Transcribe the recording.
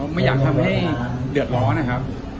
ไม่อยากทำให้เดือดร้อนนะครับ